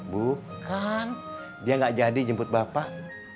bukan dia gak jadi jemput bapak